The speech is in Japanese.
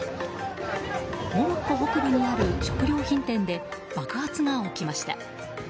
モロッコ北部にある食料品店で爆発が起きました。